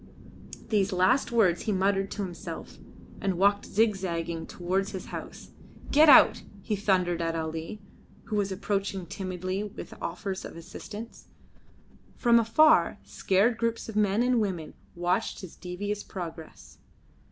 These last words he muttered to himself, and walked zigzaging towards his house. "Get out!" he thundered at Ali, who was approaching timidly with offers of assistance. From afar, scared groups of men and women watched his devious progress.